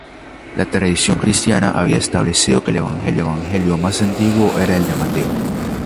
La tradición cristiana había establecido que el evangelio más antiguo era el de Mateo.